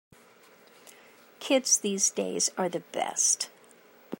Kids these days are the best.